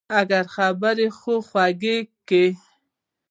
اگه خبرې خو خوږې که.